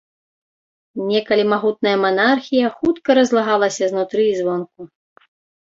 Некалі магутная манархія хутка разлагалася знутры і звонку.